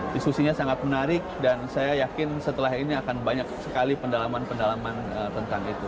diskusinya sangat menarik dan saya yakin setelah ini akan banyak sekali pendalaman pendalaman tentang itu